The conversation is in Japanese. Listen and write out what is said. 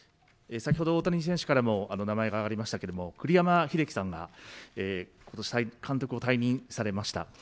先ほど大谷選手からも名前が挙がりましたけれども、栗山英樹さんが、ことし監督を退任されました。